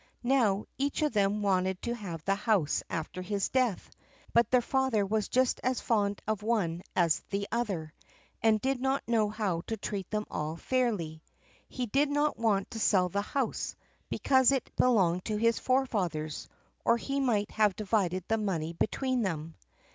Now, each of them wanted to have the house after his death; but their father was just as fond of one as of the other, and did not know how to treat them all fairly. He did not want to sell the house, because it had belonged to his forefathers, or he might have divided the money between them.